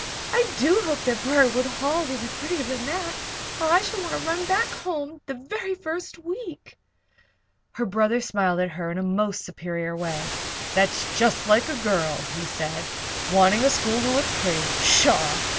"I do hope that Briarwood Hall will be prettier than that, or I shall want to run back home the very first week." Her brother smiled in a most superior way. "That's just like a girl," he said. "Wanting a school to look pretty! Pshaw!